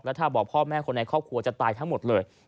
ถ้าบอกพ่อแม่คนในครอบครัวจะตายทั้งหมดเลย